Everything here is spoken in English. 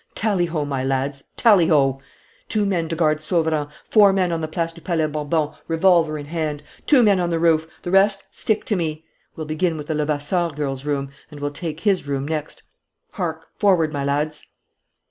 Tally ho, my lads, tally ho! Two men to guard Sauverand, four men on the Place du Palais Bourbon, revolver in hand. Two men on the roof. The rest stick to me. We'll begin with the Levasseur girl's room and we'll take his room next. Hark, forward, my lads!"